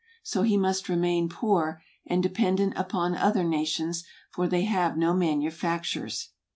So he must remain poor, and dependant upon other nations; for they have no manufactures.